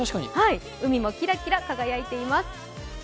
海もキラキラ輝いています。